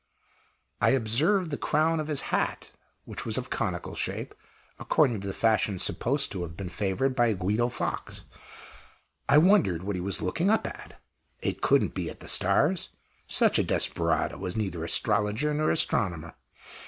I observed the crown of his hat, which was of conical shape, according to the fashion supposed to have been favored by Guido Fawkes. I wondered what he was looking up at. It couldn't be at the stars; such a desperado was neither astrologer nor astronomer.